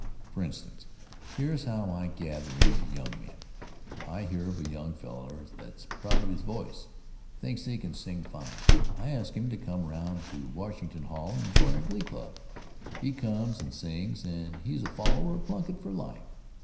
For instance, here's how I gather in the young men. I hear of a young feller that's proud of his voice, thinks that he can sing fine. I ask him to come around to Washington Hall and join our Glee Club. He comes and sings, and he's a follower of Plunkitt for life.